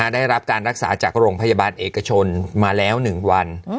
ได้รับการรักษาจากโรงพยาบาลเอกชนมาแล้ว๑วัน